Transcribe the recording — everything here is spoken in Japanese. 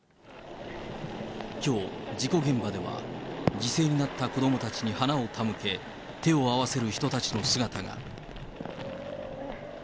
きょう、事故現場では、犠牲になった子どもたちに花を手向け、手を合わせる人たちの姿が。